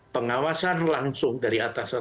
pengawasan langsung dari atasan